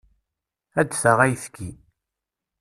Ad d-taɣ ayefki.